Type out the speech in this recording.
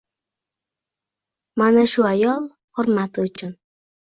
Mana shu ayol hurmati uchun